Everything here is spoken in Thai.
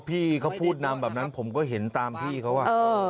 พี่เขาพูดนำแบบนั้นผมก็เห็นตามพี่เขา